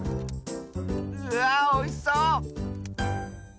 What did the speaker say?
うわおいしそう！